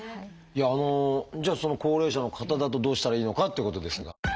じゃあ高齢者の方だとどうしたらいいのかっていうことですが。